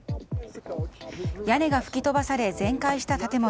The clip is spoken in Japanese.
屋根が吹き飛ばされ全壊した建物。